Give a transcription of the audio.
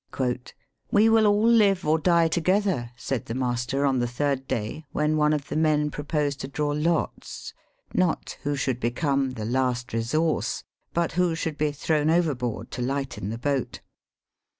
" We will all live or die together," said the master on, the third day, when one of the men proposed to draw lots — not who should become the last resource, but who should be thrown overboard to lighten the boat.